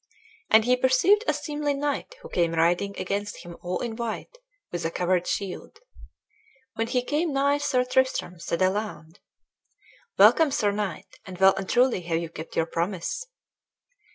And he perceived a seemly knight, who came riding against him all in white, with a covered shield. When he came nigh Sir Tristram said aloud, "Welcome, sir knight, and well and truly have you kept your promise."